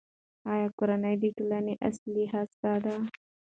آیا کورنۍ د ټولنې اصلي هسته ده؟